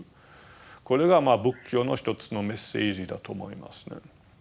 これが仏教の一つのメッセージだと思いますね。